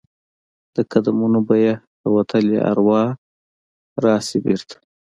د قدمونو به یې هغه وتلي اروا راشي بیرته؟